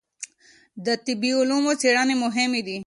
د طبعي علومو څېړنې مهمې دي.